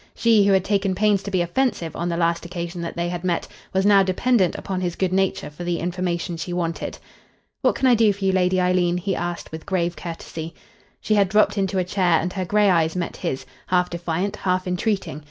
She, who had taken pains to be offensive on the last occasion that they had met, was now dependent upon his good nature for the information she wanted. "What can I do for you, Lady Eileen?" he asked with grave courtesy. She had dropped into a chair and her grey eyes met his, half defiant, half entreating.